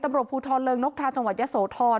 ตำรวจภูทรเริงนกทาจังหวัดยะโสธร